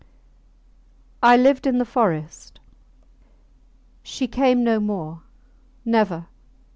I lived in the forest. She came no more. Never!